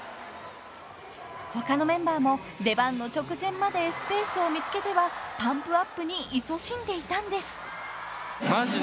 ［他のメンバーも出番の直前までスペースを見つけてはパンプアップにいそしんでいたんです］